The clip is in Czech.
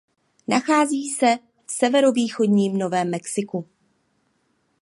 Nachází se v severovýchodním Novém Mexiku.